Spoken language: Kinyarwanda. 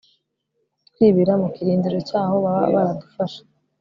twibira mu kirindiro cyaho baba baradufashe